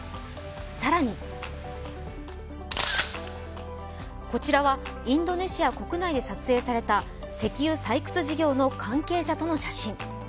更にこちらはインドネシア国内で撮影された石油採掘事業の関係者との写真。